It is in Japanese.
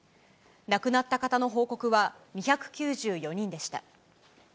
亡くなった方の報告は２９４人でした。